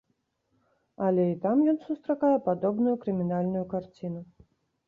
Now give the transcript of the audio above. Але і там ён сустракае падобную крымінальную карціну.